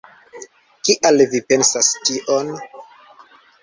Kial vi pensas tion?